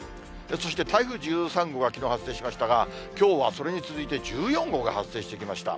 そして台風１３号がきのう発生しましたが、きょうはそれに続いて１４号が発生してきました。